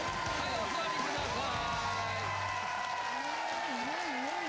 お座りください。